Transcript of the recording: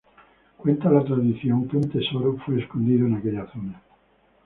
Cuenta la tradición que un tesoro fue escondido en aquella zona.